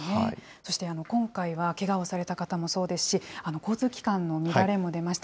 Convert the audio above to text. そして今回はけがをされた方もそうですし、交通機関の乱れも出ました。